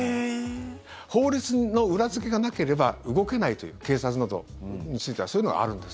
法律の裏付けがなければ動けないという警察などについてはそういうのがあるんです。